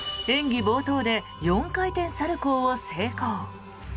演技冒頭で４回転サルコウを成功。